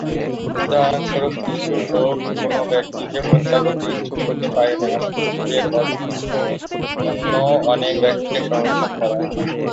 উদাহরণস্বরূপ, কিছু লোক অন্য ব্যক্তিকে হত্যা করতে ইচ্ছুক হতে পারে না, এমনকি এর অর্থ অন্য অনেক ব্যক্তিকে সংরক্ষণ করা।